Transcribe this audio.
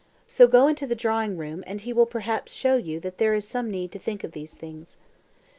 So go into the drawing room, and he will perhaps show you that there is some need to think of these things."